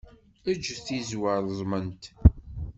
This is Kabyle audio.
Eǧǧ tizewwa reẓment.